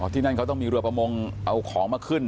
ที่นั่นเขาต้องมีเรือประมงเอาของมาขึ้น